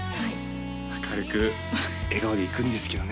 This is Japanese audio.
明るく笑顔でいくんですけどね